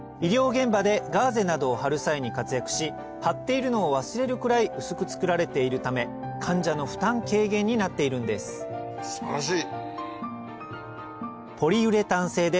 現場でガーゼなどを貼る際に活躍し貼っているのを忘れるくらい薄く作られているため患者の負担軽減になっているんです素晴らしい！